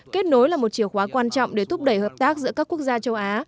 kết nối là một chìa khóa quan trọng để thúc đẩy hợp tác giữa các quốc gia châu á